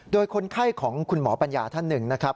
โดยคนไข้ของคุณหมอปัญญาท่านหนึ่งนะครับ